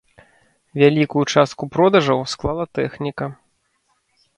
Вялікую частку продажаў склала тэхніка.